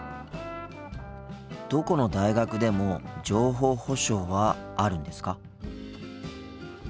どこの大学でも情報保障はあるんですか？